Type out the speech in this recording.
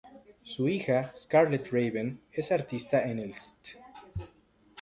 Su hija Scarlett Raven es artista en el St.